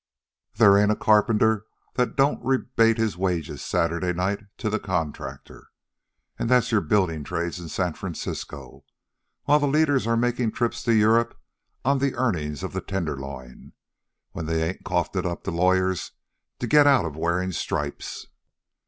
There ain't a carpenter that don't rebate his wages Saturday night to the contractor. An' that's your buildin' trades in San Francisco, while the leaders are makin' trips to Europe on the earnings of the tenderloin when they ain't coughing it up to the lawyers to get out of wearin' stripes."